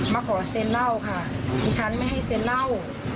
มาขอเซ็นเหล้าค่ะดิฉันไม่ให้เซ็นเหล้า